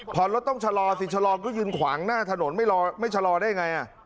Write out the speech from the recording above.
พอรถต้องชะลอสิชะลอก็ยืนขวางหน้าถนนไม่ชะลอได้ไง